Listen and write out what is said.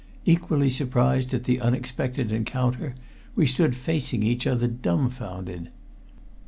Equally surprised at the unexpected encounter, we stood facing each other dumbfounded.